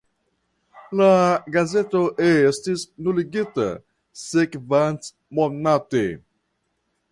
La gazeto estis nuligita sekvantmonate.